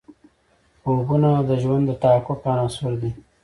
خوبونه د ژوند د تحقق عناصر دي.